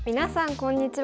こんにちは。